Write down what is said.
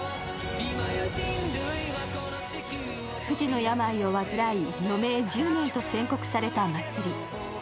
不治の病を患い、余命１０年と宣告された茉莉。